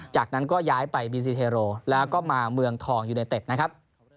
จากนั้นก็ย้ายไปบีซีเทโรแล้วก็มาเมืองทองยูเนเต็ดนะครับ